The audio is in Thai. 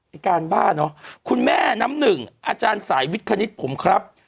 การบ้าเนอะคุณแม่น้ำหนึ่งอาจารย์สายวิทคณิตผมครับ